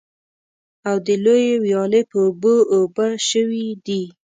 او د لویې ويالې په اوبو اوبه شوي دي.